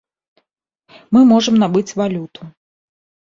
Мы можам набыць валюту.